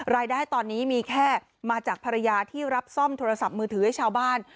รายได้ตอนนี้มีแค่มาจากภรรยาที่รับซ่อมโทรศัพท์มือถือให้ชาวบ้าน